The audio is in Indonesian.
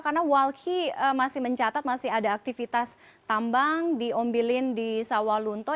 karena walki masih mencatat masih ada aktivitas tambang di ombilin di sawal unto